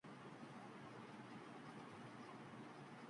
The rights to the company's library is now owned by FremantleMedia.